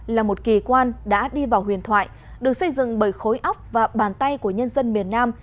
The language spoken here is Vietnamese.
là một kỳ quan đã đi vào huyền thoại được xây dựng bởi khối óc và bàn tay của nhân dân miền nam